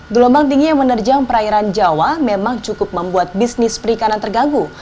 gelombang tinggi yang menerjang perairan jawa memang cukup membuat bisnis perikanan terganggu